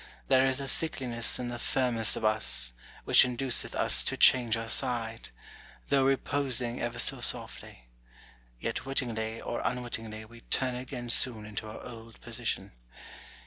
There is a sickliness in the firmest of us, which induceth us to change our side, though reposing ever so softly : yet, wittingly or unwittingly, we turn again soon into our old position.